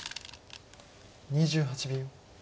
２８秒。